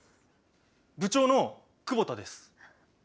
部長の久保田です。